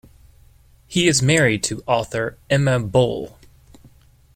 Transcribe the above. He is married to author Emma Bull.